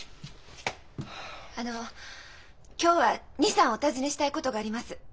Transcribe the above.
あの今日は二三お尋ねしたいことがあります。